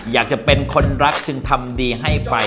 อยากจะเป็นคนรักจึงทำดีให้ไป